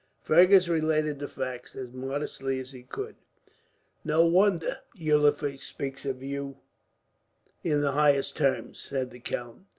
Fergus related the facts, as modestly as he could. "No wonder Eulenfurst speaks of you in the highest terms," said the count.